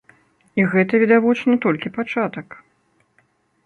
І гэта, відавочна, толькі пачатак.